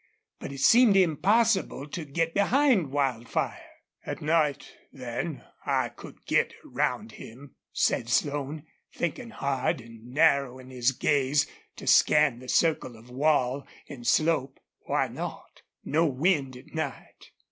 But it seemed impossible to get behind Wildfire. "At night then I could get round him," said Slone, thinking hard and narrowing his gaze to scan the circle of wall and slope. "Why not? ... No wind at night.